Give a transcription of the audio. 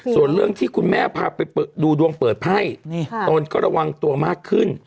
ส่วนเรื่องที่คุณแม่พาไปดูดวงเปิดไพ่ตนก็ระวังตัวมากขึ้น